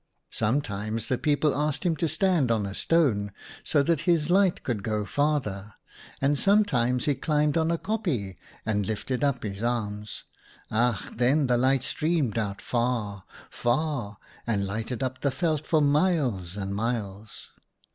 " Sometimes the people asked him to stand on a stone, so that his light could go farther ; and sometimes he climbed on a kopje and lifted up his arms : ach ! then the light streamed out far, far, and lighted up the veld for miles and miles.